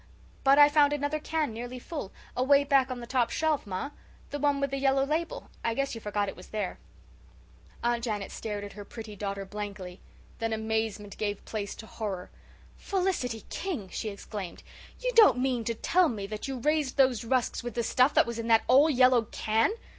"But I found another can nearly full, away back on the top shelf, ma, the one with the yellow label. I guess you forgot it was there." Aunt Janet stared at her pretty daughter blankly. Then amazement gave place to horror. "Felicity King!" she exclaimed. "You don't mean to tell me that you raised those rusks with the stuff that was in that old yellow can?"